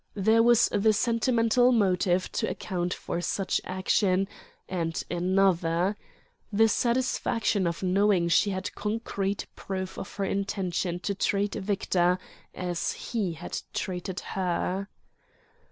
There was the sentimental motive to account for such action, and another: the satisfaction of knowing she had concrete proof of her intention to treat Victor as he had treated her.